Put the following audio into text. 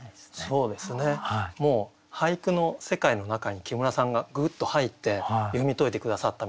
そうですねもう俳句の世界の中に木村さんがグッと入って読み解いて下さったみたいな。